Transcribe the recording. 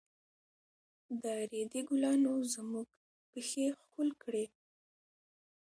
د ريدي ګلانو زموږ پښې ښکل کړې.